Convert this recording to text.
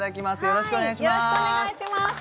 よろしくお願いします